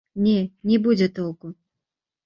Не, не будзе толку!